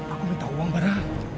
aku minta uang bara